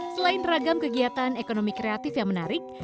selain ragam kegiatan ekonomi kreatif yang menarik